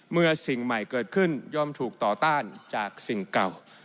สิ่งใหม่เกิดขึ้นย่อมถูกต่อต้านจากสิ่งเก่า